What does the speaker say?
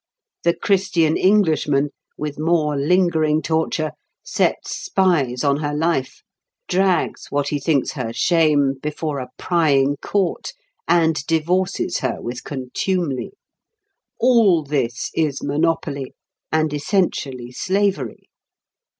The Christian Englishman, with more lingering torture, sets spies on her life, drags what he thinks her shame before a prying court, and divorces her with contumely. All this is monopoly, and essentially slavery.